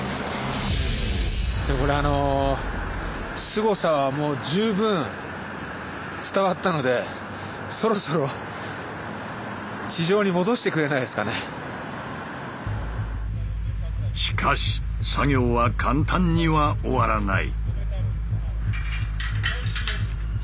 でこれあのすごさはもう十分伝わったのでしかし作業は簡単には終わらない。